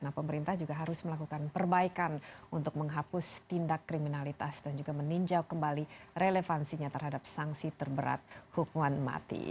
nah pemerintah juga harus melakukan perbaikan untuk menghapus tindak kriminalitas dan juga meninjau kembali relevansinya terhadap sanksi terberat hukuman mati